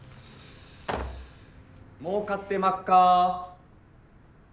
・もうかってまっか？